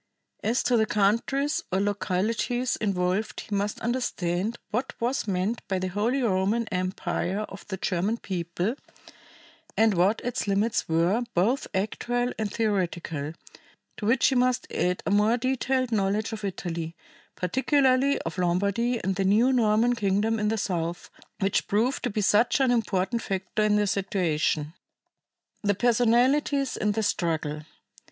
As to the countries or localities involved he must understand what was meant by the Holy Roman Empire of the German people and what its limits were, both actual and theoretical; to which he must add a more detailed knowledge of Italy, particularly of Lombardy and the new Norman kingdom in the South, which proved to be such an important factor in the situation. The Personalities in the Struggle.